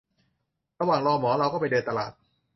ระหว่างรอหมอ เราก็ไปเดินตลาด